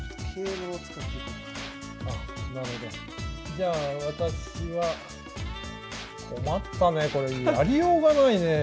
じゃあ私は困ったねこれやりようがないねえ。